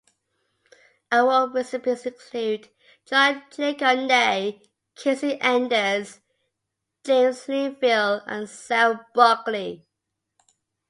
Award recipients include: John Jacob Nay, Casey Enders, James Linville, and Sarah Buckley.